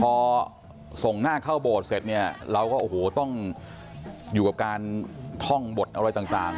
พอส่งหน้าเข้าโบสถ์เสร็จเนี่ยเราก็โอ้โหต้องอยู่กับการท่องบทอะไรต่าง